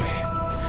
atau anak gue